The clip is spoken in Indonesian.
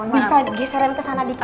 bisa gisaran kesana dikit